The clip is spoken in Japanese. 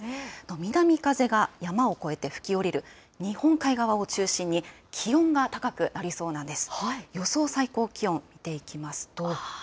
南風が山を越えて吹き下りる日本海側を中心に気温が高くなりそうです。